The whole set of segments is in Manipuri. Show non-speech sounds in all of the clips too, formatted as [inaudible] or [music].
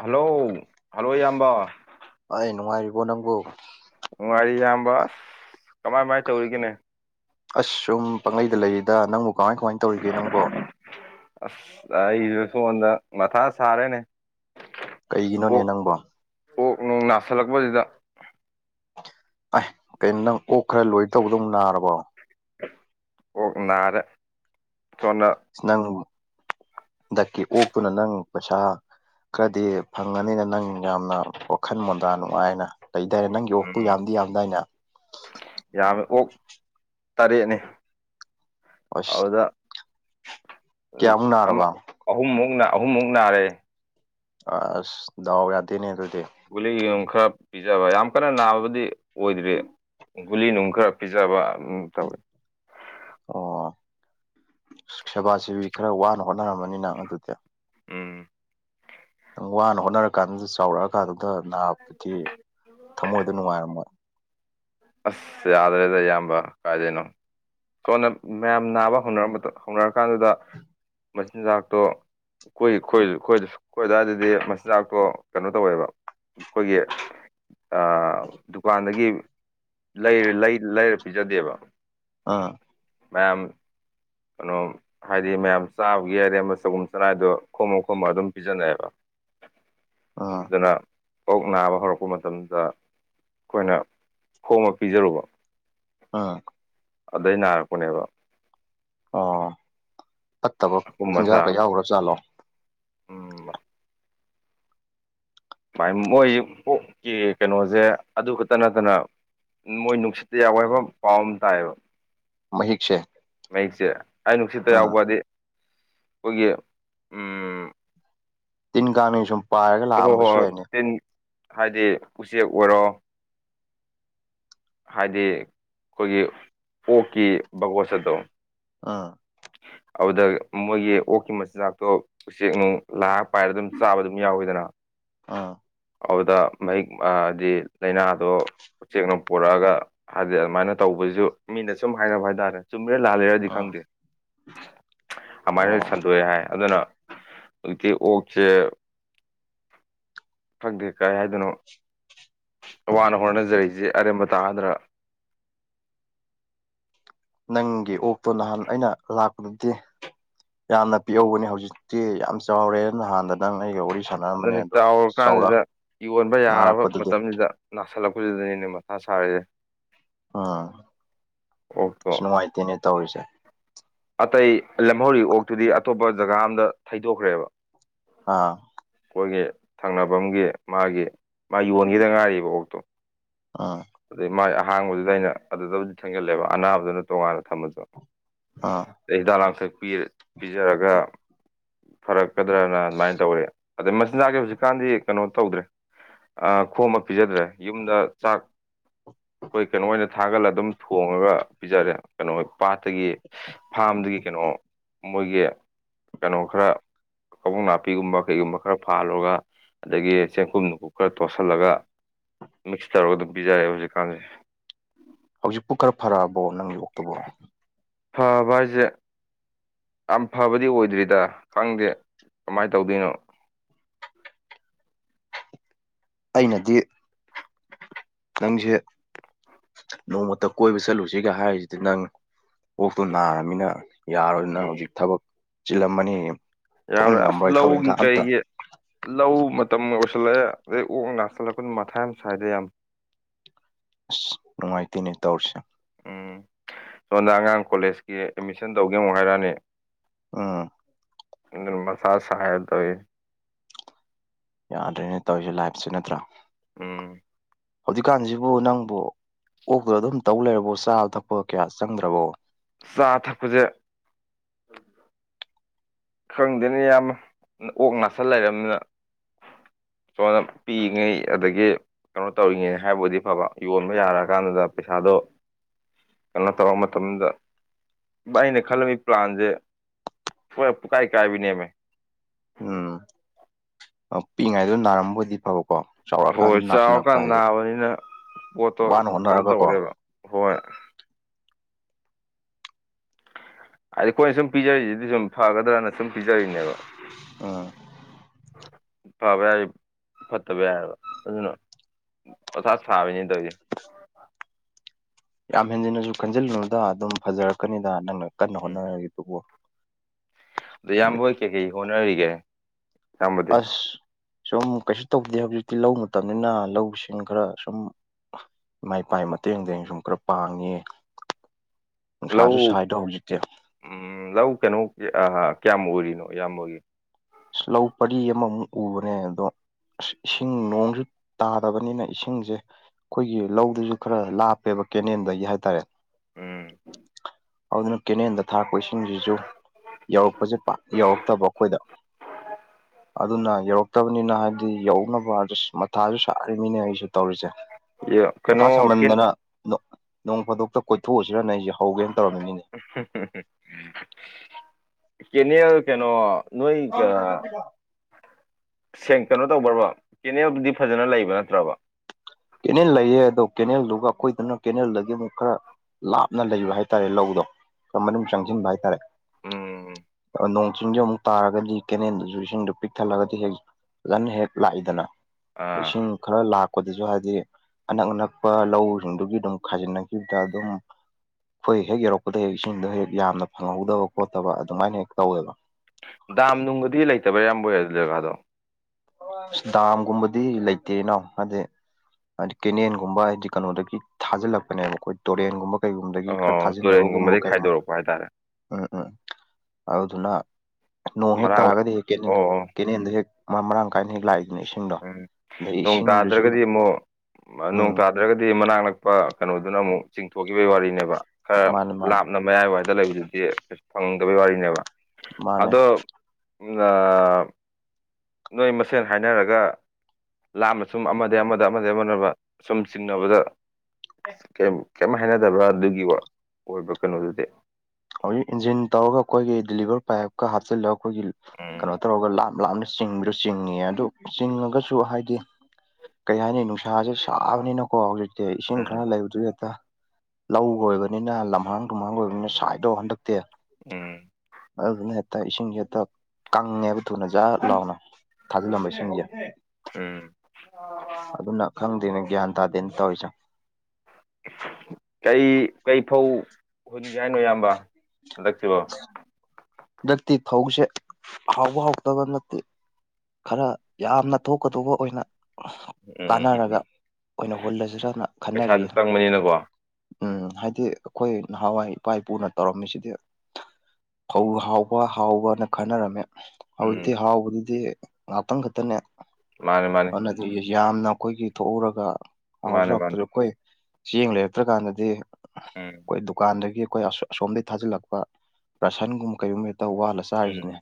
ꯍꯜꯂꯣ ꯍꯜꯂꯣ ꯏꯌꯥꯝꯕ ꯕꯣ ꯅꯪꯕꯣ ꯅꯨꯡꯉꯥꯏꯔꯤ ꯏꯌꯥꯝꯕ ꯑꯁ ꯀꯃꯥꯏ ꯀꯃꯥꯏ ꯇꯧꯔꯤꯒꯦꯅꯦ ꯑꯁ ꯁꯨꯝ ꯄꯥꯛꯂꯩꯗ ꯂꯩꯔꯤꯗ ꯅꯪꯕꯣ ꯀꯃꯥꯏ ꯀꯃꯥꯏ ꯇꯧꯔꯤꯒꯦ ꯅꯪꯕꯣ ꯑꯁ ꯑꯥ ꯑꯩꯁꯨ ꯁꯣꯟꯗ ꯃꯊꯥ ꯁꯥꯔꯦꯅꯦ ꯀꯩꯒꯤꯅꯣꯅꯦ ꯅꯪꯕꯣ ꯑꯪ ꯅꯥꯁꯤꯜꯂꯛꯄꯁꯤꯗ ꯑꯥꯏ ꯀꯩꯅꯣ ꯅꯪ ꯑꯣꯛ ꯈ꯭ꯔ ꯂꯣꯏ ꯇꯧꯕꯗꯧ ꯑꯃꯨꯛ ꯅꯥꯔꯕꯣ ꯑꯣꯛ ꯅꯥꯔꯦ ꯁꯣꯝꯗ ꯑꯁ ꯅꯪ ꯍꯟꯗꯛꯀꯤ ꯑꯣꯛ ꯇꯨꯅ ꯅꯪ ꯄꯩꯁꯥ ꯈꯔꯗꯤ ꯐꯪꯉꯅꯤꯅ ꯅꯪ ꯌꯥꯝꯅ ꯋꯥꯈꯜ ꯃꯣꯟꯗꯥ ꯅꯨꯡꯉꯥꯏꯅ ꯂꯩꯗꯥꯏꯅꯦ ꯅꯪꯒꯤ ꯑꯣꯛꯇꯨ ꯎꯝ ꯌꯥꯝꯗꯤ ꯌꯥꯝꯗꯥꯏꯅꯦ ꯌꯥꯝꯃꯦ ꯑꯣꯛ ꯇꯔꯦꯠꯅꯦ ꯑꯁ ꯑꯗꯨꯗ ꯑꯥ ꯀꯌꯥꯃꯨꯛ ꯑꯃ ꯅꯥꯔꯕ ꯑꯍꯨꯝꯃꯨꯛ ꯑꯍꯨꯝꯃꯨꯛ ꯅꯥꯔꯦ ꯑꯥ ꯑꯁ ꯗꯎ ꯌꯥꯗꯦꯅꯦ ꯑꯗꯨꯗꯤ ꯒꯨꯂꯤ ꯅꯨꯡ ꯈꯔ ꯄꯤꯖꯕ ꯌꯥꯝ ꯀꯟꯅ ꯅꯥꯕꯕꯨꯗꯤ ꯑꯣꯏꯗ꯭ꯔꯤ ꯒꯨꯂꯤꯅꯨꯡ ꯈꯔ ꯄꯤꯖꯕ ꯑꯝ ꯇꯧꯋꯤ ꯑꯣ ꯁꯦꯕꯥꯁꯦꯕꯤ ꯈꯔ ꯋꯥꯅ ꯍꯣꯠꯅꯔꯝꯃꯅꯤ ꯅꯪ ꯑꯗꯨꯗꯤ ꯎꯝ ꯅꯪ ꯋꯥꯅ ꯍꯣꯠꯅꯔ ꯀꯥꯟꯗ ꯆꯥꯎꯔꯛꯑꯀꯥꯟꯗ ꯑꯗ ꯅꯥꯕꯗꯤ ꯊꯃꯣꯏꯗ ꯅꯨꯡꯉꯥꯏꯔꯝꯃꯣꯏ ꯑꯁ ꯌꯥꯗ꯭ꯔꯦꯗ ꯑꯌꯥꯝꯕ ꯀꯥꯏꯗꯩꯅꯣ ꯁꯣꯟꯅ ꯃꯌꯥꯝ ꯅꯥꯕ ꯍꯧꯅꯔꯝꯕꯗꯣ ꯍꯧꯅꯔꯀꯥꯟꯗꯨꯗ ꯃꯆꯤꯟꯖꯥꯛꯇꯣ ꯈꯣꯏ ꯈꯣꯏ ꯈꯣꯏꯗ ꯈꯣꯏ ꯑꯗꯥꯏꯗꯗꯤ ꯃꯆꯤꯟꯖꯥꯛꯇꯣ ꯀꯅꯣ ꯇꯧꯋꯦꯕ ꯈꯣꯏꯒꯤ ꯑꯥ ꯗꯨꯀꯥꯟꯗꯒꯤ ꯂꯩꯔ ꯂꯩꯔ ꯄꯤꯖꯗꯦꯕ ꯑꯥ ꯃꯌꯥꯝ ꯀꯅꯣ ꯍꯥꯏꯗꯤ ꯃꯌꯥꯝ ꯆꯥꯕꯒꯤ ꯑꯔꯦꯝꯕ ꯆꯒꯨꯝ ꯆꯅꯥꯏꯗꯣ ꯈꯣꯃ ꯈꯣꯃ ꯑꯗꯨꯝ ꯄꯤꯖꯟꯅꯩꯑꯕ [inaudible] [unintelligible] ꯑꯣꯛ ꯅꯥꯕ ꯍꯧꯔꯛꯄ ꯃꯇꯝꯗ ꯑꯈꯣꯏꯅ [unintelligible] ꯄꯤꯖꯔꯨꯕ ꯑꯥ ꯑꯗꯩ ꯅꯥꯔꯛꯄꯅꯦꯕ ꯑꯣ ꯐꯠꯇꯕ ꯎꯈꯨꯝ ꯃꯆꯥ ꯆꯤꯟꯖꯥꯛꯀ ꯌꯥꯎꯈ꯭ꯔ ꯖꯥꯠꯂꯣ ꯎꯝ [unintelligible] ꯃꯣꯏ ꯀꯣꯛꯀꯤ ꯀꯩꯅꯣꯖꯦ ꯑꯗꯨ ꯈꯠꯇ ꯅꯠꯇꯅ ꯃꯣꯏ ꯅꯨꯡꯁꯤꯠ [unintelligible] ꯄꯥꯎ ꯑꯝ ꯇꯥꯏꯕ ꯃꯌꯦꯛꯁꯦ ꯃꯍꯤꯛꯁꯦ ꯑꯩ ꯅꯨꯡꯁꯤꯠꯇ ꯌꯥꯎꯕꯗꯤ ꯑꯈꯣꯏꯒꯤ ꯎꯝ ꯇꯤꯟ ꯀꯥꯡꯅꯦ ꯁꯨꯝ ꯄꯥꯏꯔꯒ ꯍꯣ ꯍꯣ ꯍꯣ ꯂꯥꯛꯑꯝꯕꯁꯨ ꯌꯥꯏꯅꯦ ꯇꯤꯟ ꯍꯥꯏꯗꯤ ꯎꯆꯦꯛ ꯑꯣꯏꯔꯣ ꯍꯥꯏꯗꯤ ꯑꯈꯣꯏꯒꯤ ꯑꯣꯛꯀꯤ ꯕꯒꯣꯁꯗꯣ ꯎꯝ ꯑꯗꯨꯗ ꯃꯣꯏꯒꯤ ꯑꯣꯛꯀꯤ ꯃꯆꯤꯟꯖꯥꯛꯇꯣ ꯎꯆꯦꯛ ꯅꯨꯡ ꯂꯥ ꯄꯥꯏꯔ ꯗꯨꯝ ꯆꯥꯕ ꯗꯨꯝ ꯌꯥꯎꯋꯤꯗꯅ ꯎꯝ ꯑꯗꯨꯗ ꯃꯍꯤꯛ ꯑꯥ ꯗꯤ ꯂꯩꯅꯥꯗꯣ ꯎꯆꯦꯛꯅ ꯄꯣꯔꯛꯑꯒ ꯍꯥꯏꯗꯤ ꯑꯗꯨꯃꯥꯏꯅ ꯇꯧꯕꯖꯤꯖꯨ ꯃꯤꯅ ꯁꯨꯝ ꯍꯥꯏꯅꯕ ꯍꯥꯏꯇꯥꯔꯦ ꯆꯨꯝꯃꯤꯔ ꯂꯥꯜꯂꯤꯔꯗꯤ ꯎꯝ ꯈꯪꯗꯦ ꯑꯃꯥꯏꯅ ꯑꯣ ꯁꯟꯗꯣꯛꯑꯦ ꯍꯥꯏ ꯗꯨꯅ ꯍꯧꯖꯤꯛꯇꯤ ꯑꯣꯛꯁꯦ ꯈꯪꯗꯦ ꯀꯩ ꯍꯥꯏꯗꯣꯏꯅꯣ ꯋꯥꯅ ꯍꯣꯠꯅꯖꯔꯤꯁꯦ ꯑꯔꯦꯝꯕ ꯇꯥꯔꯗ꯭ꯔꯥ ꯅꯪꯒꯤ ꯑꯣꯛꯇꯣ ꯅꯍꯥꯟ ꯑꯩꯅ ꯂꯥꯛꯄꯗꯗꯤ ꯌꯥꯝꯅ ꯄꯤꯍꯧꯕꯅꯦ ꯍꯧꯖꯤꯛꯇꯤ ꯌꯥꯝ ꯆꯥꯎꯔꯦ ꯅꯍꯥꯟꯗ ꯅꯪ ꯑꯩꯒ ꯋꯥꯔꯤ ꯁꯥꯟꯅꯔꯝꯕꯅꯦ ꯑꯗꯨꯅꯤ ꯑꯗꯣ ꯆꯥꯎꯔꯛ ꯆꯥꯎꯔꯀꯥꯟꯁꯤꯗ ꯌꯣꯟꯕ ꯌꯥꯔꯕ ꯅꯥꯔꯛꯄꯗꯨꯗꯤ ꯃꯇꯝꯁꯤꯗ [unintelligible] ꯃꯊꯥ ꯁꯥꯔꯤꯁꯦ ꯎꯝ ꯑꯣꯛꯇꯣ ꯅꯨꯡꯉꯥꯏꯇꯦꯅꯦ ꯇꯧꯔꯤꯁꯦ ꯑꯇꯩ ꯂꯦꯝꯍꯧꯔꯤ ꯑꯣꯛꯇꯨꯗꯤ ꯑꯇꯣꯞ ꯖꯒꯥ ꯑꯝꯗ ꯊꯩꯗꯣꯛꯈ꯭ꯔꯦꯕ ꯑꯥ ꯑꯈꯣꯏꯒꯤ ꯊꯪꯅꯕꯝꯒꯤ ꯃꯥꯒꯤ ꯃꯥꯏ ꯌꯣꯟꯒꯤꯗ ꯉꯥꯏꯔꯤꯕ ꯑꯣꯛꯇꯣ ꯑꯥ ꯑꯗꯩ ꯃꯥꯏ ꯑꯍꯥꯡꯕꯗꯨꯗ ꯑꯩꯅ ꯑꯗꯨꯗꯕꯨꯗꯤ ꯊꯦꯡꯖꯜꯂꯦꯕ ꯑꯅꯥꯕꯗꯨꯅ ꯇꯣꯉꯥꯟꯅ ꯊꯝꯃꯁꯨ ꯑꯥ ꯗꯩꯩ ꯍꯤꯗꯥꯛ ꯂꯥꯡꯊꯛ ꯄꯤ ꯄꯤꯖꯔꯒ ꯐꯔꯛꯀꯗ꯭ꯔꯅ ꯑꯗꯨꯃꯥꯏꯟ ꯇꯧꯋꯦ ꯑꯗꯩ ꯃꯆꯤꯟꯖꯥꯛꯁꯦ ꯍꯨꯖꯤꯛꯀꯥꯟꯗꯤ ꯀꯅꯣ ꯇꯧꯗ꯭ꯔꯦ ꯈꯣꯝꯃ ꯄꯤꯖꯗ꯭ꯔꯦ ꯌꯨꯝꯗ ꯆꯥꯛ [unintelligible] ꯈꯣꯏ ꯀꯩꯅꯣ ꯑꯣꯏꯅ ꯊꯥꯒꯠꯂ ꯗꯨꯝ ꯊꯣꯡꯉꯒ ꯄꯤꯖꯔꯦ ꯀꯅꯣ ꯄꯥꯠꯇꯒꯤ ꯐꯥꯝꯗꯒꯤ ꯀꯦꯅꯣ ꯃꯣꯏꯒꯤ ꯀꯦꯅꯣ ꯈꯔ ꯀꯕꯣꯡ ꯅꯥꯄꯤꯒꯨꯝꯕ ꯀꯩꯒꯨꯝꯕ ꯈꯔ ꯐꯥꯜꯂꯨꯒ ꯑꯗꯒꯤ ꯆꯦꯡꯀꯨꯝ ꯅꯨꯡꯀꯨꯞ ꯈꯔ ꯇꯣꯠꯁꯤꯜꯂꯒ ꯃꯤꯛꯁ ꯇꯧꯔꯒ ꯑꯗꯨꯝ ꯄꯤꯖꯥꯔꯦ ꯍꯧꯖꯤꯛꯀꯥꯟꯁꯦ ꯍꯧꯖꯤꯛꯄꯨ ꯈꯔ ꯐꯔꯛꯑꯕꯣ ꯅꯪ ꯑꯣꯛꯇꯨꯕꯣꯨ ꯐꯕ ꯍꯥꯢꯖꯦ ꯌꯥꯝ ꯐꯕꯗꯤ ꯑꯣꯏꯗ꯭ꯔꯤꯗ ꯈꯪꯗꯦ ꯀꯃꯥꯏꯅ ꯇꯧꯗꯣꯏꯅꯣ ꯑꯩꯅꯗꯤ ꯅꯪꯁꯦ ꯅꯣꯡꯃꯇ ꯀꯣꯏꯕ ꯆꯠꯂꯨꯁꯤꯒ ꯍꯥꯏꯔꯤꯁꯤꯗꯤ ꯅꯪ ꯑꯣꯛꯇꯣ ꯅꯥꯔꯕꯅꯤꯅ ꯌꯥꯔꯥꯔꯣꯏ ꯅꯪ ꯍꯧꯖꯤꯛ ꯊꯕꯛ ꯆꯤꯜꯂꯝꯃꯅꯤ ꯌꯥꯔꯦꯢ ꯑꯁ ꯊꯣꯛꯅꯤꯡꯉꯝꯃꯔꯣꯏ ꯊꯕꯛ ꯂꯧꯒꯤ ꯏꯪꯈꯥꯡ ꯑꯝꯇ ꯀꯩꯒꯤ ꯂꯧ ꯃꯇꯝꯒ ꯑꯣꯏꯁꯟ ꯁꯜꯂꯛꯑꯦ ꯑꯗꯩ ꯑꯣꯛ ꯅꯥꯁꯤꯜꯂꯛꯄꯅꯦ ꯃꯊꯥ ꯌꯥꯝ ꯁꯥꯏꯗ ꯌꯥꯝꯕꯥ ꯑꯁ ꯅꯨꯡꯉꯥꯏꯇꯦꯅꯦ ꯇꯧꯔꯤꯁꯦ ꯎꯝ ꯁꯣꯟꯗ ꯑꯉꯥꯡ ꯀꯣꯂꯦꯖꯀꯤ ꯑꯦꯠꯃꯤꯁꯟ ꯇꯧꯒꯦ ꯑꯃꯨꯛ ꯍꯥꯏꯔꯛꯑꯅꯤ ꯎꯝ ꯑꯗꯨꯅ ꯃꯊꯥ ꯁꯥꯏ ꯇꯧꯔꯤ ꯌꯥꯗ꯭ꯔꯦꯅꯦ ꯇꯧꯔꯤꯁꯦ ꯂꯥꯏꯐꯁꯤ ꯅꯠꯇ꯭ꯔꯥ ꯎꯝ ꯍꯧꯖꯤꯛꯀꯥꯟꯁꯤꯕꯨ ꯅꯪꯕꯨ ꯑꯣꯛꯇ ꯑꯗꯨꯝ ꯇꯧ ꯂꯩꯔꯕꯣ ꯆꯥꯕ ꯊꯛꯄ ꯀꯌꯥ ꯆꯪꯗ꯭ꯔꯕꯣ ꯆꯥ ꯊꯛꯄꯁꯦ ꯈꯪꯗꯦꯅꯦ ꯏꯌꯥꯝꯕ ꯑꯣꯛ ꯅꯥꯁꯤꯜ ꯂꯩꯔꯕꯅꯤꯅ [unintelligible] ꯁꯣꯟꯗ ꯄꯤꯛꯏꯉꯩ ꯑꯗꯒꯤ ꯀꯩꯅꯣ ꯇꯧꯔꯤꯉꯩ ꯍꯥꯏꯕ ꯑꯣꯏꯗꯤ ꯐꯕ ꯌꯣꯟꯕ ꯌꯥꯔꯑ ꯀꯥꯟꯗꯨꯗ ꯄꯩꯁꯥꯗꯣ [unintelligible] ꯀꯩꯅꯣ ꯇꯧꯔ ꯃꯇꯝꯗꯨꯗ ꯑꯩꯅ ꯈꯜꯂꯝꯃꯤ ꯄ꯭ꯂꯥꯟꯁꯦ ꯄꯨꯀꯥꯏ ꯀꯥꯏꯕꯤꯅꯤꯃꯦ ꯑꯥ ꯄꯤꯛꯏꯉꯥꯏꯗ ꯅꯥꯔꯝꯕ ꯑꯣꯏꯗꯤ ꯐꯕ ꯍꯣꯏ ꯆꯥꯎꯔꯀꯥꯟ ꯅꯥꯕꯅꯤꯅ ꯄꯠꯇꯣ ꯋꯥꯅ ꯀꯩꯅꯣ ꯍꯣꯠꯅꯔꯒ ꯀꯣ ꯇꯧꯔꯦꯕ ꯍꯣꯏ ꯍꯥꯏꯗꯤ ꯑꯩꯈꯣꯏꯅ ꯁꯨꯝ ꯄꯤꯖꯔꯤꯁꯤꯗꯤ ꯁꯨꯝ ꯐꯒꯗ꯭ꯔꯅ ꯁꯨꯝ ꯄꯤꯖꯔꯤꯅꯦꯕ ꯑꯥ ꯐꯕ ꯌꯥꯏ ꯐꯠꯇꯕ ꯌꯥꯏꯑꯕ ꯑꯗꯨꯅ ꯃꯊꯥ ꯁꯥꯕꯤꯅꯦ ꯇꯧꯔꯤꯁꯦ [unintelligible] ꯌꯥꯝ ꯍꯦꯟꯖꯤꯟꯅꯁꯨ ꯈꯟꯖꯤꯜꯂꯨꯨꯅꯨꯗ ꯑꯗꯨꯝ ꯐꯖꯔꯛꯀꯅꯤꯗ ꯅꯪꯅ ꯀꯟꯅ ꯎꯝ ꯍꯣꯠꯅꯔꯤꯗꯨꯕꯨ ꯑꯗꯣ ꯏꯌꯥꯝꯕ ꯍꯣꯏ ꯀꯩꯀꯩ ꯍꯣꯠꯅꯔꯤꯒꯦ ꯏꯌꯥꯝꯕꯗꯤ ꯑꯁ ꯁꯨꯝ ꯀꯩꯁꯨ ꯇꯧꯗꯦ ꯍꯧꯖꯤꯛꯇꯤ ꯂꯧ ꯃꯇꯝꯅꯤꯅ ꯂꯧꯁꯤꯡ ꯈꯔ ꯁꯨꯝ ꯏꯃꯥ ꯏꯄꯥ ꯒꯤ ꯃꯇꯦꯡꯗꯤ ꯑꯩꯅꯥ ꯁꯨꯝ ꯈꯔ ꯄꯥꯡꯉꯤ ꯌꯦ ꯂꯧ ꯎꯝ ꯂꯧ ꯀꯩꯅꯣ ꯑꯥ ꯀꯌꯥꯝ ꯎꯔꯤꯅꯣ ꯏꯌꯥꯝꯕ ꯍꯣꯏꯒꯤ ꯑꯁ ꯂꯧ ꯄꯔꯤ ꯑꯃ ꯃꯨꯛ ꯎꯕꯅꯦ ꯑꯥ ꯑꯗꯨꯣ ꯑꯁ ꯏꯁꯤꯡ ꯅꯣꯡꯁꯨ ꯇꯥꯗꯕꯅꯤꯅ ꯏꯁꯤꯡꯁꯦ ꯑꯩꯈꯣꯏꯒꯤ ꯂꯧꯗꯨꯁꯨ ꯈꯔ ꯂꯥꯞꯄꯦꯕ ꯑꯥ ꯀꯦꯅꯦꯟꯗꯒꯤ ꯍꯥꯏꯇꯥꯔꯦ ꯎꯝ ꯑꯗꯨꯅ ꯀꯦꯅꯦꯜꯗ ꯊꯥꯔꯛꯄ ꯏꯁꯤꯡꯁꯤꯁꯨ ꯌꯥꯎꯔꯛꯄꯁꯦ ꯄꯥꯛ ꯌꯥꯎꯔꯛꯇꯕ ꯑꯩꯈꯣꯏꯗ [inaudible] ꯑꯗꯨꯅ ꯌꯧꯔꯛꯇꯕꯅꯤꯅ ꯍꯥꯏꯕꯗꯤ ꯌꯧꯅꯕ ꯑꯁ ꯃꯊꯥꯁꯨ ꯁꯥꯔꯤꯕꯅꯤꯅꯦ ꯑꯩꯁꯨ ꯇꯧꯔꯤꯁꯦ ꯃꯊꯥ ꯀꯩꯅꯣ ꯁꯥꯃꯟꯗꯅ ꯑꯗꯣ ꯅꯣꯡꯐꯥꯗꯣꯛꯇ ꯀꯣꯏꯊꯣꯛꯎꯁꯤꯔꯥꯅ ꯑꯩꯖꯦ ꯍꯧꯗꯝ ꯀꯦꯅꯦꯜ ꯀꯩꯅꯣ ꯅꯣꯏꯒ ꯁꯦꯡ ꯀꯩꯅꯣ ꯇꯧꯕ꯭ꯔꯕ ꯀꯦꯅꯦꯜꯕꯨꯗꯤ ꯐꯖꯅ ꯂꯩꯕ ꯅꯠꯇ꯭ꯔꯥꯕ ꯀꯦꯅꯦꯜ ꯂꯩꯌꯦ ꯑꯗꯣ ꯀꯦꯅꯦꯜꯗꯨꯒ ꯑꯈꯣꯏꯗꯅ ꯀꯦꯅꯦꯜꯗꯒꯤ ꯑꯃꯨꯛ ꯈꯔ ꯂꯥꯞꯅ ꯂꯩꯕ ꯍꯥꯏꯇꯥꯔꯦ ꯂꯧꯗꯣ ꯈꯔ ꯃꯅꯨꯡ ꯆꯪꯖꯤꯟꯕ ꯍꯥꯏꯇꯥꯔꯦ ꯎꯝ ꯅꯣꯡ ꯆꯤꯡꯖꯦ ꯑꯃꯨꯛ ꯇꯥꯔꯒꯗꯤ ꯀꯦꯅꯦꯜꯗꯨꯖꯨ ꯏꯁꯤꯡꯗꯣ ꯄꯤꯛ ꯊꯜꯂꯒꯗꯤ ꯍꯦꯛ ꯐꯖꯅ ꯍꯦꯛ ꯂꯥꯛꯏꯗꯅ ꯑꯥ ꯢꯁꯤꯡ ꯈꯔ ꯂꯥꯛꯄꯗꯖꯨ ꯍꯥꯏ ꯗꯤ ꯑꯅꯛ ꯑꯅꯛꯄ ꯂꯧꯖꯤꯡꯗꯨꯒꯤ ꯑꯗꯨꯝ ꯈꯥꯢꯖꯤꯟꯅꯈꯤꯕꯗ ꯑꯗꯨꯝ ꯈꯣꯏ ꯍꯦꯛ ꯌꯧꯔꯛꯄꯗ ꯍꯦꯛ ꯏꯁꯤꯡꯗꯣ ꯍꯦꯛ ꯌꯥꯝꯅ ꯐꯪꯍꯧꯗꯕ ꯈꯣꯠꯇꯕ ꯑꯗꯨꯃꯥꯏꯅ ꯍꯦꯛ ꯇꯧꯋꯦꯕ ꯗꯥꯝ ꯅꯨꯡꯒꯗꯤ ꯂꯩꯇꯕ ꯏꯌꯥꯝꯕ ꯍꯣꯏ ꯑꯗꯨ ꯖꯒꯥꯗꯣ ꯗꯥꯝꯒꯨꯝꯕꯗꯤ ꯂꯩꯇꯦ ꯢꯅꯥꯎ ꯍꯥꯏꯗꯤ ꯍꯥꯏꯗꯤ ꯀꯦꯅꯦꯟꯒꯨꯝꯕ ꯍꯥꯏꯗꯤ ꯀꯩꯅꯣꯗꯒꯤ ꯊꯥꯖꯤꯜꯂꯛꯄꯅꯦꯕ ꯑꯈꯣꯏ ꯇꯣꯔꯦꯟꯒꯨꯝꯕ ꯀꯩꯒꯨꯝꯕꯗꯒꯤ ꯈꯔ ꯑꯣ ꯊꯥꯖꯤꯟꯅꯕꯒꯨꯝꯕ ꯇꯨꯔꯦꯟꯒꯨꯝꯕꯗꯒꯤ ꯀꯩꯒꯨꯝ ꯈꯥꯏꯗꯣꯔꯛꯄ ꯍꯥꯏꯇꯥꯔꯦ ꯎꯝ ꯎꯝ ꯑꯗꯨꯗꯨꯅ ꯅꯣꯡ ꯍꯦꯛ ꯃꯔꯥꯡ ꯇꯥꯔꯒꯗꯤ ꯀꯦꯅꯦꯟ ꯑꯣ ꯀꯦꯅꯦꯟꯗ ꯍꯦꯛ ꯃꯥ ꯃꯔꯥꯡ ꯀꯥꯏꯅ ꯍꯦꯛ ꯂꯥꯢ ꯎꯝ ꯅꯣꯡ ꯇꯥꯗ꯭ꯔꯒꯗꯤ ꯑꯃꯨꯛ ꯅꯣꯡ ꯎꯝ ꯇꯥꯗ꯭ꯔꯒꯗꯤ ꯃꯅꯥꯛ ꯅꯛꯄ ꯀꯩꯅꯣꯗꯨꯅ ꯑꯃꯨꯛ ꯆꯤꯡꯊꯣꯛꯈꯤꯕꯩ ꯋꯥꯔꯤꯅꯦꯕ ꯈꯔ ꯃꯥꯅꯦ ꯃꯥꯅꯦ ꯂꯥꯞꯅ ꯃꯌꯥꯏꯋꯥꯏꯗ ꯂꯩꯕꯗꯨꯗꯤ ꯐꯪꯗꯕꯩ ꯋꯥꯔꯤꯅꯦꯕ ꯃꯥꯅꯦ ꯑꯗꯣ ꯎꯝꯅꯥ ꯅꯣꯏ ꯃꯁꯦꯟ ꯍꯥꯏꯅꯔꯒ ꯂꯥꯞꯅ ꯁꯨꯝ ꯑꯃꯗꯩ ꯑꯃꯗ ꯑꯃꯗꯩ ꯑꯃꯅꯕ ꯁꯨꯝ ꯆꯤꯡꯅꯕꯗ ꯀ꯭ꯌꯝ ꯀ꯭ꯌꯝ ꯍꯥꯏꯅꯗꯕ꯭ꯔꯥ ꯑꯗꯨꯒꯤ ꯑꯣꯏꯕ ꯀꯩꯅꯣꯗꯨꯗꯤ ꯍꯧꯖꯤꯛ ꯏꯟꯖꯤꯟ ꯇꯧꯔꯒ ꯑꯈꯣꯏꯒꯤ ꯗꯤꯂꯤꯚꯔ ꯄꯥꯏꯞꯀ ꯍꯥꯞꯆꯤꯜꯂꯒ ꯑꯈꯣꯏꯒꯤ ꯎꯝ ꯀꯩꯅꯣ ꯇꯧꯔꯒ ꯂꯥꯞ ꯂꯥꯞꯅ ꯆꯤꯡꯕꯤꯗꯣ ꯆꯤꯡꯉꯤ ꯑꯗꯨ ꯆꯤꯡꯉꯒꯁꯨ ꯍꯥꯏꯗꯤ ꯀꯩꯍꯥꯏꯅꯤ ꯅꯨꯡꯁꯥꯖꯨ ꯁꯥꯕꯅꯤꯅꯀꯣ ꯍꯨꯖꯤꯛ ꯇꯤ ꯏꯁꯤꯡ ꯈꯔ ꯎꯝ ꯂꯩꯕꯗꯨ ꯍꯦꯛꯇ ꯂꯧꯒ ꯑꯣꯏꯕꯅꯤꯅ ꯂꯝꯍꯥꯡ ꯇꯨꯝꯍꯥꯡꯒ ꯑꯣꯏꯕꯅꯤꯅ ꯁꯥꯏꯗꯣ ꯍꯟꯗꯛ ꯇꯤ ꯎꯝ ꯑꯗꯨꯗꯨꯅ ꯍꯦꯠꯇ ꯏꯁꯤꯡꯖꯦ ꯍꯦꯠꯇ ꯀꯪꯉꯦꯕ ꯊꯨꯅ ꯖꯠ ꯂꯥꯎꯅ ꯊꯥꯖꯤꯜꯂꯝꯕ ꯢꯁꯤꯡꯖꯦ ꯎꯝ ꯑꯗꯨꯅ ꯈꯪꯗꯦꯅ ꯒ꯭ꯌꯥꯟ ꯇꯥꯗꯦꯅ ꯇꯧꯋꯤꯖꯦ ꯀꯩ ꯀꯩ ꯐꯧ ꯍꯨꯟꯒꯦ ꯍꯥꯏꯅꯣ ꯏꯌꯥꯝꯕ ꯍꯟꯗꯛꯁꯤꯕꯣ ꯗꯛꯇꯤ ꯐꯧꯁꯦ ꯍꯥꯎꯕ ꯍꯥꯎꯇꯕ ꯅꯠꯇꯦ ꯈꯔ ꯌꯥꯝꯅ ꯊꯣꯛꯀꯗꯧꯕ ꯑꯣꯏꯅ ꯎꯝ ꯎꯝ ꯇꯥꯟꯅꯔꯒ ꯎꯝ ꯑꯣꯏꯅ ꯍꯨꯜꯂꯖꯤꯔꯥꯅ ꯈꯟꯅꯔꯤꯌꯦ ꯄꯩꯁꯥꯁꯨ ꯆꯪꯕꯅꯤꯅꯀꯣ ꯎꯝ ꯍꯥꯏꯗꯤ ꯑꯈꯣꯏ ꯅꯍꯥꯋꯥꯏ ꯏꯄꯥ ꯏꯄꯨꯅ ꯇꯧꯔꯝꯃꯤꯁꯤꯗꯤ ꯐ ꯍꯥꯎꯕ ꯍꯥꯎꯕꯅ ꯈꯟꯅꯔꯝꯃꯦ ꯎꯝ ꯍꯧꯖꯤꯛꯇꯤ ꯍꯥꯎꯕꯗꯨꯗꯤ ꯉꯥꯛꯇꯪ ꯈꯛꯇꯅꯦ ꯃꯥꯅꯦ ꯃꯥꯅꯦ ꯑꯗꯨꯅꯗꯤ ꯌꯥꯝꯅ ꯑꯈꯣꯏꯒꯤ ꯊꯣꯛꯍꯧꯔꯒ ꯍꯥꯎꯔꯖꯨ ꯃꯥꯅꯦ ꯃꯥꯅꯦ ꯍꯥꯎꯇ꯭ꯔꯖꯨ ꯑꯈꯣꯏ ꯆꯦꯡ ꯂꯩꯔꯛꯇ꯭ꯔ ꯀꯥꯟꯗꯗꯤ ꯎꯝ ꯑꯈꯣꯏ ꯗꯨꯀꯥꯟꯗꯒꯤ ꯑꯈꯣꯏ ꯑꯁ ꯑꯁꯝꯗꯩ ꯊꯥꯖꯜꯂꯛꯄ ꯔꯁꯟꯒꯨꯝꯕ ꯀꯩꯒꯨꯝꯕ ꯇ ꯋꯥꯜꯂ ꯎꯝ ꯆꯥꯔꯤꯖꯤꯅꯦ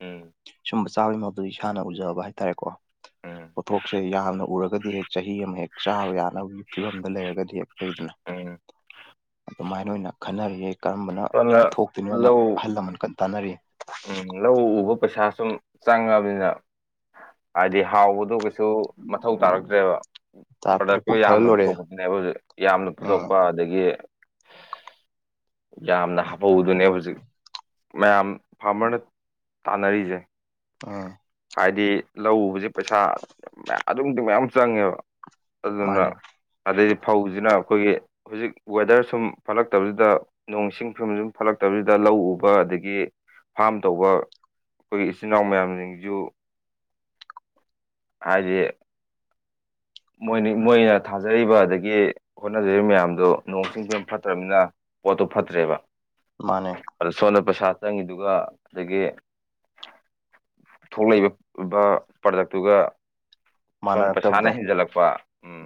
ꯎꯝ ꯁꯨꯝꯕ ꯆꯥꯕꯩ ꯃ ꯑꯗꯨ ꯏꯁꯥꯅ ꯎꯖꯕ ꯍꯥꯏꯇꯥꯔꯦꯀꯣ ꯎꯝ ꯄꯣꯠꯊꯣꯛꯁꯦ ꯌꯥꯝꯅ ꯎꯔꯒꯗꯤ ꯍꯦꯛ ꯆꯩ ꯏ ꯑꯃ ꯍꯦꯛ ꯆꯥꯕ ꯌꯥꯅꯕꯒꯤ ꯐꯤꯚꯝꯗ ꯂꯩꯔꯒꯗꯤ ꯍꯦꯛ ꯐꯩꯗꯅ ꯎꯝ ꯑꯗꯨꯃꯥꯏꯅ ꯑꯣꯏꯅ ꯈꯟꯅꯔꯤꯌꯦ ꯀꯔꯝꯕꯅ ꯁꯣꯝꯗ ꯊꯣꯛꯇꯣꯏꯅꯣꯅ ꯂꯧ ꯑꯍꯜ ꯂꯃꯟ ꯀꯟ ꯇꯥꯟꯅꯔꯤ ꯎꯝ ꯂꯧ ꯎꯕ ꯄꯩꯁꯥ ꯁꯨꯝ ꯆꯪꯉꯕꯅꯤꯅ ꯍꯥꯏꯗꯤ ꯍꯥꯎꯒꯗꯧꯒꯤ ꯁꯨ ꯃꯊꯧ ꯇꯥꯔꯛꯇ꯭ꯔꯦꯕ ꯇꯥꯔꯛꯇ꯭ꯔꯦ ꯄ꯭ꯔꯗꯛꯇꯣ ꯄꯨꯛ ꯊꯜꯂ ꯌꯥꯝꯅ ꯂꯣꯏꯔꯦ ꯄꯨꯊꯣꯛꯄꯗꯨꯅꯦꯕ ꯍꯧꯖꯤꯛ ꯌꯥꯝꯅ ꯎꯝ ꯄꯨꯊꯣꯛꯄ ꯑꯗꯒꯤ ꯌꯥꯝꯅ ꯍꯥꯞꯍꯧꯕꯗꯨꯅꯦꯕ ꯍꯧꯖꯤꯛ ꯃꯌꯥꯝ ꯐꯥꯔꯃꯔꯅ ꯇꯥꯟꯅꯔꯤꯖꯦ ꯑꯥ ꯍꯥꯏꯗꯤ ꯂꯧ ꯎꯕꯖꯦ ꯄꯩꯁꯥ ꯃꯌꯥ ꯑꯗꯨꯛꯀꯤꯃꯇꯤꯛ ꯃꯌꯥꯝ ꯆꯪꯉꯦꯕ ꯑꯗꯨꯅ ꯃꯥꯅꯦ ꯑꯗꯩ ꯐꯧꯖꯤꯅ ꯑꯩꯈꯣꯏꯒꯤ ꯍꯧꯖꯤꯛ ꯋꯦꯗꯔ ꯁꯨꯝ ꯐꯠꯂꯛꯇꯕꯁꯤꯗ ꯅꯣꯡ ꯏꯁꯤꯡ ꯐꯤꯚꯝ ꯁꯨꯝ ꯐꯠꯂꯛꯇꯕꯁꯤꯗ ꯂꯧ ꯎꯕ ꯑꯗꯒꯤ ꯐꯥꯝ ꯇꯧꯕ ꯑꯩꯈꯣꯏ ꯏꯆꯤꯟ ꯅꯥꯎ ꯃꯌꯥꯝꯁꯤꯡꯖꯨ ꯍꯥꯏꯗꯤ ꯃꯣꯏꯅꯤ ꯃꯣꯏꯅ ꯊꯥꯖꯔꯤꯕ ꯑꯗꯒꯤ ꯍꯣꯠꯅꯖꯔꯤꯕ ꯃꯌꯥꯝꯗꯨ ꯅꯣꯡ ꯆꯤꯡ ꯐꯤꯚꯝ ꯐꯠꯇ꯭ꯔꯝꯅꯤꯅ ꯄꯣꯠꯇꯨ ꯐꯠꯇ꯭ꯔꯦꯕ ꯃꯥꯅꯦ ꯑꯗ ꯁꯣꯝꯗ ꯄꯩꯁꯥ ꯆꯪꯉꯤꯗꯨꯒ ꯑꯗꯒꯤ ꯊꯣꯛꯂꯛꯏ ꯕ ꯄ꯭ꯔꯗꯛꯇꯨꯒ ꯁꯣꯟꯗ ꯄꯩꯁꯥꯅ ꯃꯥꯟꯅꯔꯛꯇꯕꯗꯣ ꯍꯦꯟꯖꯜꯂꯛꯄ ꯎꯝ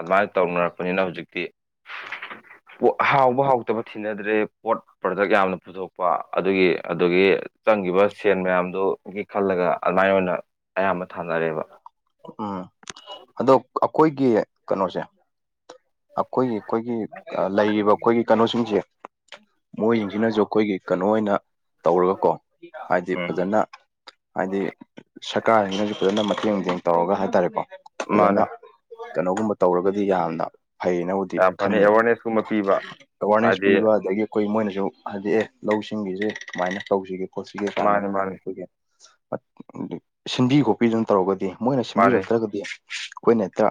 ꯑꯗꯨꯃꯥꯏ ꯇꯧꯅꯔꯛꯄꯅꯤꯅ ꯍꯧꯖꯤꯛꯇꯤ [unintelligible] ꯄꯣ ꯍꯥꯎꯕ ꯍꯥꯎꯇꯕ ꯊꯤꯅꯗ꯭ꯔꯦ ꯄꯣꯠ ꯄ꯭ꯔꯗꯛ ꯌꯥꯝꯅ ꯄꯨꯊꯣꯛꯄ ꯑꯗꯨꯒꯤ ꯑꯗꯨꯒꯤ ꯆꯪꯒꯤꯕ ꯁꯦꯟ ꯃꯌꯥꯝꯗꯨꯒꯤ ꯈꯜꯂꯒ ꯑꯗꯨꯃꯥꯏꯅ ꯑꯣꯏꯅ ꯑꯌꯥꯝꯕ ꯊꯥꯅꯔꯦꯕ ꯎꯝ ꯑꯗꯣ ꯑꯈꯣꯏꯒꯤ ꯀꯅꯣꯁꯦ ꯑꯈꯣꯏꯒꯤ ꯈꯣꯏꯒꯤ ꯑ ꯂꯩꯔꯤꯕ ꯑꯈꯣꯏꯒꯤ ꯀꯩꯅꯣꯁꯤꯡꯁꯦ ꯃꯣꯏꯖꯤꯡꯖꯤꯅꯖꯨ ꯑꯈꯣꯏꯒꯤ ꯀꯅꯣ ꯑꯣꯏꯅ ꯇꯧꯔꯒꯀꯣ ꯍꯥꯏꯗꯤ ꯎꯝ ꯐꯖꯅ ꯍꯥꯏꯗꯤ ꯁꯔꯀꯥꯔꯁꯤꯅꯁꯨ ꯐꯖꯅ ꯃ ꯇꯦꯡ ꯅꯨꯡꯇꯦꯡ ꯇꯧꯔꯒ ꯍꯥꯏꯇꯥꯔꯦꯀꯣ ꯐꯖꯅ ꯃꯥꯅꯦ ꯀꯩꯅꯣꯒꯨꯝꯕ ꯇꯧꯔꯒꯗꯤ ꯌꯥꯝꯅ ꯐꯩꯌꯦꯅꯕꯨꯗꯤ ꯌꯥꯝ ꯐꯅꯤ ꯈꯟꯅꯤ ꯑꯦꯋꯥꯔꯅꯦꯁꯀꯨꯝꯕ ꯄꯤꯕ ꯑꯦꯋꯥꯔꯅꯦꯁ ꯍꯥꯏꯗꯤ ꯄꯤꯕ ꯑꯗꯒꯤ ꯈꯣꯏ ꯃꯣꯏꯅ ꯖꯨ ꯍꯥꯏꯗꯤ ꯑꯦ ꯂꯧꯁꯤꯡꯒꯤꯖꯦ ꯀꯃꯥꯏꯅ ꯇꯧꯖꯤꯒꯦ ꯈꯣꯠꯁꯤꯒꯦ ꯀꯥꯏꯅꯒ ꯃꯥꯅꯤ ꯍꯥꯏꯔꯒ ꯃꯥꯅꯤ ꯑꯩꯈꯣꯏꯒꯤ ꯁꯤꯟꯕꯤ ꯈꯣꯠꯄꯤꯗꯅ ꯇꯧꯔꯒꯗꯤ ꯃꯣꯏꯅ ꯃꯥꯅꯤ ꯁꯤꯟꯕꯤꯔꯛꯇ꯭ꯔꯒꯗꯤ ꯑꯈꯣꯏꯅ ꯍꯦꯛꯇ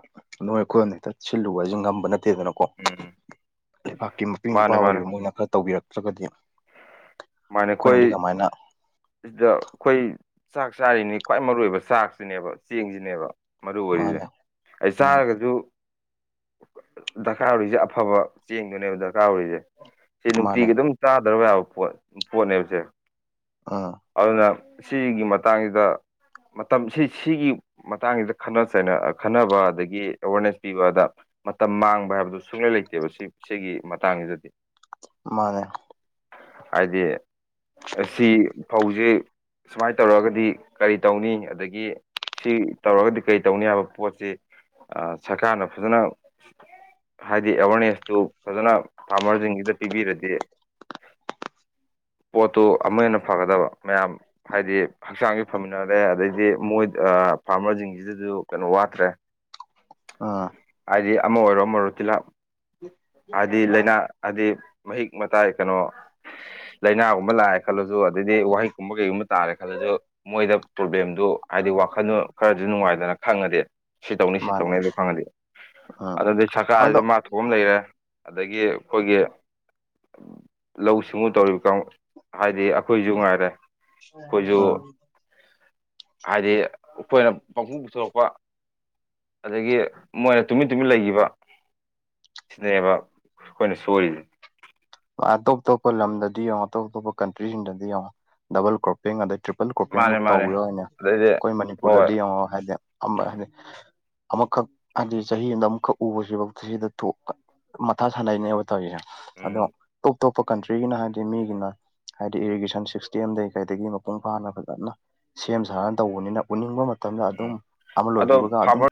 ꯅꯣꯏ ꯑꯩꯈꯣꯏꯅ ꯍꯦꯛꯇ ꯁꯤꯜꯂꯨꯕꯖꯤ ꯉꯝꯕ ꯅꯠ ꯇꯦꯗꯅꯀꯣ ꯎꯝ ꯂꯩꯕꯥꯛꯀꯤ ꯃꯄꯤ ꯃꯄꯥ ꯃꯥꯅꯦ ꯃꯥꯅꯦ ꯑꯣꯏꯔꯤꯕ ꯃꯣꯏꯅ ꯈꯔ ꯇꯧꯕꯤꯔꯛꯇ꯭ꯔꯒꯗꯤ ꯁꯨꯃꯥꯏꯅ ꯑꯩꯈꯣꯏ ꯑꯩꯈꯣꯏꯅꯗꯤ ꯀꯃꯥꯏꯅ ꯁꯤꯗ ꯑꯩꯈꯣꯏ ꯆꯥꯛ ꯆꯥꯔꯤꯅꯤ ꯈ꯭ꯋꯥꯏ ꯃꯔꯨ ꯑꯣꯏꯕ ꯆꯥꯛꯁꯤꯅꯦꯕ ꯆꯦꯡꯖꯤꯅꯦꯕ ꯃꯔꯨ ꯑꯣꯏꯔꯤꯖꯦ ꯃꯥꯅꯦ ꯑꯩ ꯎꯝ ꯆꯥꯔꯒꯖꯨ ꯗꯀꯥꯔ ꯑꯣꯏꯔꯤꯖꯦ ꯑꯐꯕ ꯆꯦꯡꯗꯨꯅꯦꯕ ꯗꯔꯀꯥꯔ ꯑꯣꯏꯔꯤꯖꯦ ꯁꯤ ꯃꯥꯅꯦ ꯅꯨꯡꯇꯤꯒꯤ ꯑꯗꯨꯝ ꯆꯥꯗ꯭ꯔꯕ ꯌꯥꯕ ꯄꯣꯠ ꯄꯣꯠꯅꯦꯕꯁꯦ ꯎꯝ ꯑꯗꯨꯅ ꯁꯤꯒꯤ ꯃꯇꯥꯡꯖꯤꯗ ꯃꯇꯝ ꯁꯤ ꯁꯤꯒꯤ ꯃꯇꯥꯡꯖꯤꯗ ꯈꯟꯅ ꯆꯩꯅ ꯈꯟꯅꯕ ꯑꯗꯒꯤ ꯑꯦꯋꯥꯔꯅꯦꯁ ꯄꯤꯕꯥꯗ ꯃꯇꯝ ꯃꯥꯡꯕ ꯍꯥꯏꯕꯗꯨ ꯁꯨꯡꯂꯩ ꯂꯩꯇꯦꯕ ꯁꯤ ꯁꯤꯒꯤ ꯃꯇꯥꯡꯖꯤꯗꯗꯤ ꯃꯥꯅꯦ ꯍꯥꯏꯗꯤ ꯁꯤ ꯐꯧꯖꯤ ꯁꯨꯃꯥꯏ ꯇꯧꯔꯒꯗꯤ ꯀꯔꯤ ꯇꯧꯅꯤ ꯑꯗꯒꯤ ꯁꯤ ꯇꯧꯔꯒꯗꯤ ꯀꯔꯤ ꯇꯧꯅꯤ ꯍꯥꯏꯕ ꯄꯣꯠꯁꯤ ꯑ ꯁꯔꯀꯥꯔꯅ ꯐꯖꯅ ꯍꯥꯏꯗꯤ ꯑꯦꯋꯥꯔꯅꯦꯁꯇꯨ ꯐꯖꯅ ꯐꯥꯔꯃꯔꯁꯤꯡꯁꯤꯗ ꯄꯤꯕꯤꯔꯗꯤ [unintelligible] ꯄꯣꯠꯇꯨ ꯑꯃꯨꯛ ꯍꯦꯟꯅ ꯐꯒꯗꯕ ꯃꯌꯥꯝ ꯍꯥꯏꯗꯤ ꯍꯛꯆꯥꯡꯁꯨ ꯐꯥꯃꯤꯟꯅꯔꯦ ꯑꯗꯩꯗꯤ ꯃꯣꯏꯗ ꯑꯥ ꯐꯥꯔꯃꯔꯁꯤꯡꯁꯤꯗꯁꯨ ꯀꯩꯅꯣ ꯋꯥꯠꯇ꯭ꯔꯦ ꯑꯥ ꯍꯥꯏꯗꯤ ꯑꯃ ꯑꯣꯏꯔꯣ ꯑꯃ ꯑꯣꯏꯔꯣ ꯇꯤꯜꯍꯥꯠ ꯍꯥꯏꯗꯤ ꯂꯩꯅꯥ ꯍꯥꯏꯗꯤ ꯃꯍꯤꯛ ꯃꯇꯥꯏ ꯀꯩꯅꯣ ꯂꯥꯏꯅꯥꯒꯨꯝꯕ ꯂꯥꯛꯑꯦ ꯈꯜꯂꯁꯨ ꯑꯗꯩꯗꯤ ꯋꯥꯍꯍꯤꯛꯀꯨꯝꯕ ꯀꯩꯒꯨꯝꯕ ꯇꯥꯔꯦ ꯈꯜꯂꯁꯨ ꯃꯣꯏꯗ ꯄ꯭ꯔꯣꯕ꯭ꯂꯦꯝ ꯗꯨ ꯍꯥꯏꯗꯤ ꯋꯥꯈꯟꯗꯣ ꯈꯔꯗꯤ ꯅꯨꯡꯉꯥꯏꯗꯅ ꯈꯪꯉꯗꯤ ꯁꯤ ꯇꯧꯅꯤ ꯁꯤ ꯃꯥꯅꯦ ꯇꯧꯅꯤ ꯍꯥꯏꯗꯨ ꯈꯪꯉꯗꯤ ꯎꯝ ꯑꯗꯨꯗꯩꯩ ꯑꯗꯣ ꯁꯔꯀꯥꯔꯁꯤꯁꯨ ꯃꯥꯊꯣꯛꯄꯃ ꯂꯩꯔꯦ ꯑꯗꯒꯤ ꯈꯣꯏꯒꯤ ꯂꯧꯎ ꯁꯤꯡꯎ ꯇꯧꯔꯤꯕ ꯀꯥꯡꯉꯨ ꯑꯥ ꯍꯥꯏꯗꯤ ꯑꯩꯈꯣꯏꯁꯨ ꯉꯥꯏꯔꯦ ꯈꯣꯏꯁꯨ ꯎꯝ ꯍꯥꯏꯗꯤ ꯎꯈꯣꯏꯅ ꯄꯪꯄꯨ ꯄꯨꯊꯣꯔꯛꯄ ꯑꯗꯒꯤ ꯃꯣꯏꯅ ꯇꯨꯃꯤꯟ ꯇꯨꯃꯤꯟ ꯂꯩꯈꯤꯕ ꯁꯤꯅꯦꯕꯥ ꯈꯣꯏꯅ ꯁꯣꯏꯔꯤꯁꯦ ꯑꯥ ꯑꯇꯣꯞ ꯑꯇꯣꯞꯄ ꯂꯝꯗꯗꯤ ꯌꯦꯡꯉꯣ ꯑꯇꯣꯞ ꯇꯣꯞꯄ ꯀꯟꯇ꯭ꯔꯤꯁꯤꯡꯗꯗꯤ ꯌꯦꯡꯉꯣ ꯗꯕꯜ ꯀ꯭ꯔꯣꯞꯄꯤꯡ ꯑꯗꯩ ꯇ꯭ꯔꯤꯞ ꯗꯕꯜ ꯀ꯭ꯔꯣꯄꯤꯡ ꯃꯥꯅꯦ ꯕꯨꯛ ꯇꯧꯕ ꯃꯥꯅꯦ ꯌꯥꯎꯏꯅꯦ ꯑꯗꯩꯗꯤ ꯈꯣꯏ ꯍꯣꯏ ꯃꯅꯤꯄꯨꯔꯗꯗꯤ ꯌꯦꯡꯉꯣ ꯍꯥꯏꯗꯤ ꯑꯝ ꯍꯥꯏꯗꯤ ꯑꯃꯈꯛ ꯍꯥꯏꯗꯤ ꯆꯍꯤ ꯑꯝꯗ ꯑꯃꯨꯛꯈꯛ ꯎꯕꯁꯤꯕꯧ ꯁꯤꯗ ꯊꯣꯛ ꯃꯊꯥ ꯁꯥꯟꯅꯩꯅꯦꯕꯥ ꯇꯧꯔꯤꯁꯦ ꯑꯗꯣ ꯎꯝ ꯇꯣꯞ ꯇꯣꯞꯄ ꯀꯟꯇ꯭ꯔꯤꯒꯤꯅ ꯍꯥꯏꯕꯗꯤ ꯃꯤꯒꯤꯅ ꯍꯥꯏꯗꯤ ꯏꯔꯤꯒꯦꯁꯟ ꯁꯤꯛꯁ꯭ꯇꯦꯝꯗꯩꯩ ꯀꯩꯗꯒꯤ ꯃꯄꯨꯡ ꯐꯥꯅ ꯐꯖꯅ ꯁꯦꯝ ꯁꯥꯔꯅ ꯇꯧꯕꯅꯤꯅ ꯎꯅꯤꯡꯕ ꯃ ꯃꯇꯝꯗ ꯑꯗꯨꯝ ꯎꯝ ꯑꯃ ꯑꯗꯣ ꯂꯣꯏꯈꯤꯕꯒꯥ ꯑꯗꯨꯝ ꯐꯥꯔꯃꯔ